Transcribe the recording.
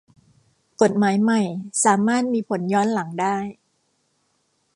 กฎหมายใหม่สามารถมีผลย้อนหลังได้